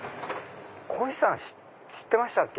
こひさん知ってましたっけ？